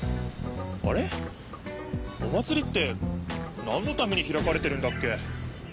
あれっお祭りってなんのためにひらかれてるんだっけ？